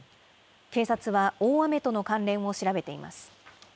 警察は大雨との関連を調べています。